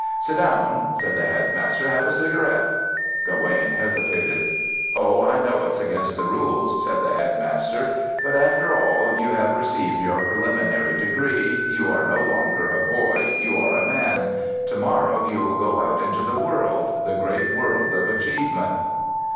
"Sit down," said the Headmaster. "Have a cigarette." Gawaine hesitated. "Oh, I know it's against the rules," said the Headmaster. "But after all, you have received your preliminary degree. You are no longer a boy. You are a man. To morrow you will go out into the world, the great world of achievement."